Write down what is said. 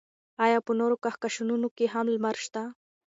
ایا په نورو کهکشانونو کې هم لمر شته؟